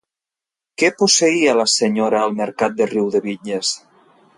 Què posseïa la senyora al mercat de Riudevitlles?